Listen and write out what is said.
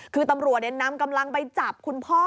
คือตำรวจนำกำลังไปจับคุณพ่อ